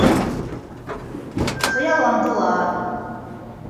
Хыялландылар.